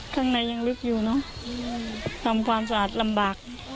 ข้างในยังลึกอยู่เนอะทำความสะอาดลำบาก